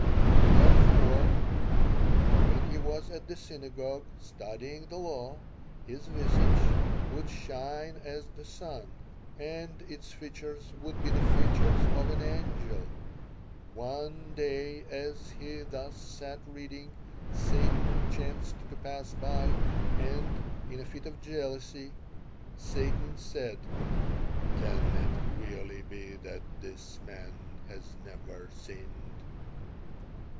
Therefore when he was at the synagogue studying the Law, his visage would shine as the sun and its features would be the features of an angel. One day, as he thus sat reading, Satan chanced to pass by, and in a fit of jealousy Satan said: "'Can it really be that this man has never sinned?'